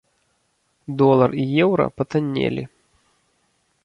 Долар і еўра патаннелі.